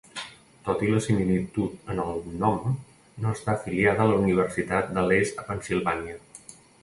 Tot i la similitud en el nom, no està afiliada a la Universitat de l'est a Pennsilvània.